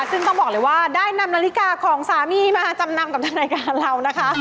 ซึ่งต้องบอกเลยว่าได้นำนาฬิกาของสามีมาจำนำกับทางรายการเรานะคะ